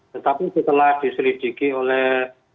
tetapi setelah diselidiki oleh